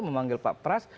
memanggil pak pras